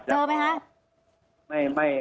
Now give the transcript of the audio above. เจอไหมครับ